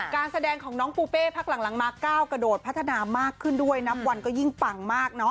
การแสดงของน้องปูเป้พักหลังมาก้าวกระโดดพัฒนามากขึ้นด้วยนับวันก็ยิ่งปังมาก